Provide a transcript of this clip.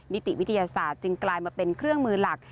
นิติวิทยาศาสตร์จึงกลายมาเป็นเครื่องมือหลัก